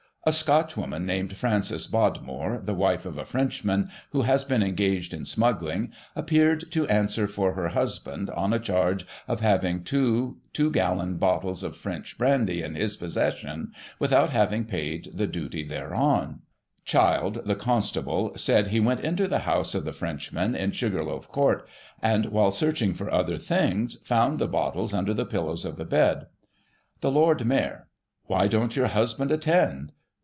— ^A Scotchwoman, named Frances Bodmore, the wife of a Frenchman, who has been engaged in smuggling, appeared to answer for her husband, on a charge of having two two gallon bottles of French brandy in his possession, without having paid the duty thereon. Digiti ized by Google 68 GOSSIP. [1838 Child, the constable, Said he went into the house of the Frenchman, in Sugarloaf Court; and, while searching for other things, found the bottles under the pillows of the bed. The Lord Mayor: Why don't your husband attend?